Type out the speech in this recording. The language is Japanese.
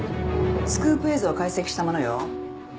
スクープ映像を解析したものよ。